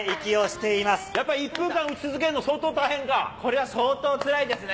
やっぱ１分間打ち続けるの相これは相当つらいですね。